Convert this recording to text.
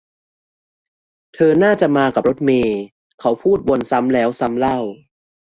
เธอน่าจะมากับรถเมย์ เขาพูดวนซ้ำแล้วซ้ำเล่า